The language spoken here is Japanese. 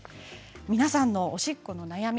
皆さんのおしっこの悩み